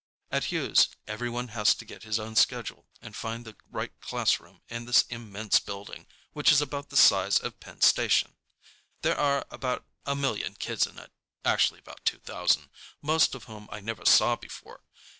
At Hughes everyone has to get his own schedule and find the right classroom in this immense building, which is about the size of Penn Station. There are about a million kids in it—actually about two thousand—most of whom I never saw before.